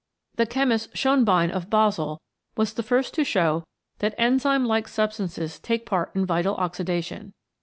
The chemist Schoenbein, of Basel, was the first to show that enzyme like substances take part in vital oxidation.